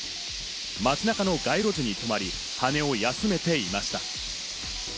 街中の街路樹にとまり、羽を休めていました。